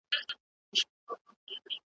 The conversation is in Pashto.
ورک یم له شهبازه ترانې را پسي مه ګوره `